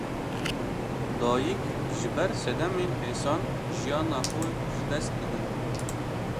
Dayîk, ji ber sedemên hêsan jiyana xwe ji dest didin